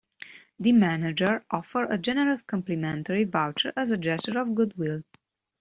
The manager offered a generous complimentary voucher as a gesture of goodwill.